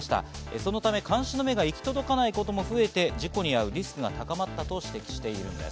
そのため監視の目が行き届かないことも増えて事故に遭うリスクが高まったと指摘しているんです。